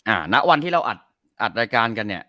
ณวันที่เราอัดอัดรายการกันเนี่ย